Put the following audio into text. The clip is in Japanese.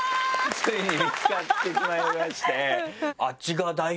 ついに見つかってしまいまして。